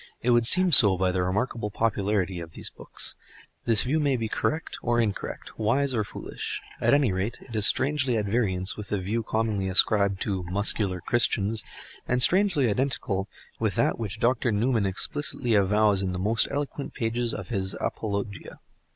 It would seem so by the remarkable popularity of these books. This view may be correct or incorrect, wise or foolish; at any rate, it is strangely at variance with the view commonly ascribed to "Muscular Christians," and strangely identical with that which Dr. Newman explicitly avows in the most eloquent pages of his "Apologia."